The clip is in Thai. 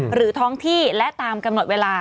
หรือท้องที่และตามกำหนดเวลา